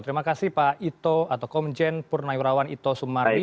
terima kasih pak ito atau komjen purnairawan ito sumari